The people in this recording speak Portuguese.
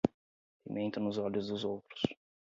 Pimenta nos olhos dos outros